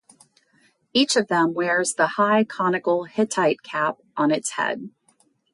Each of them wears the high conical Hittite cap on its head.